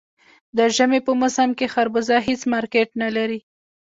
د ژمي په موسم کې خربوزه هېڅ مارکېټ نه لري.